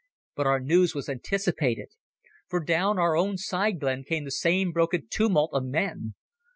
But our news was anticipated. For down our own side glen came the same broken tumult of men.